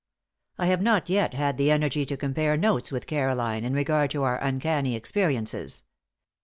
I have not yet had the energy to compare notes with Caroline in regard to our uncanny experiences.